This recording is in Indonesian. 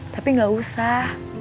tapi gak usah